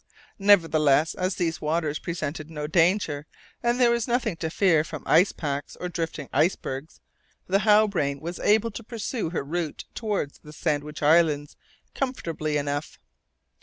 Nevertheless, as these waters presented no danger, and there was nothing to fear from ice packs or drifting icebergs, the Halbrane was able to pursue her route towards the Sandwich Islands comfortably enough.